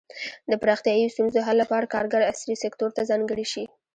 د پراختیايي ستونزو حل لپاره کارګر عصري سکتور ته ځانګړي شي.